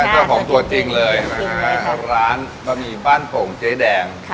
เจ้าของตัวจริงเลยนะฮะร้านบะหมี่บ้านโป่งเจ๊แดง